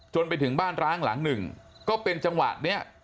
ไปถึงบ้านร้างหลังหนึ่งก็เป็นจังหวะนี้